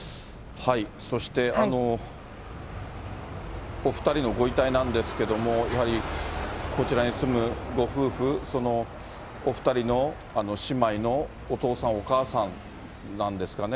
そして、お２人のご遺体なんですけども、やはりこちらに住むご夫婦、お２人の姉妹のお父さん、お母さんなんですかね。